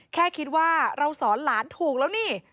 แค่คิดว่าเราสอนหลานถูกแล้วนี่